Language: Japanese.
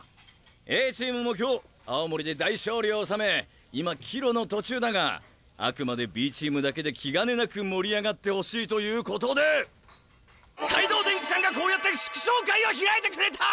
Ａチームも今日青森で大勝利を収め今帰路の途中だがあくまでＢチームだけで気兼ねなく盛り上がってほしいということで海堂電機さんがこうやって祝勝会を開いてくれた！